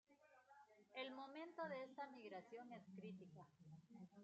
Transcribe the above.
El momento de esta migración es crítica.